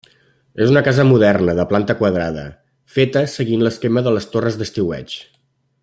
És una casa moderna, de planta quadrada, feta seguint l'esquema de les torres d'estiueig.